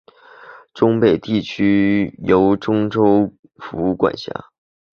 忠北地区由忠州府管辖。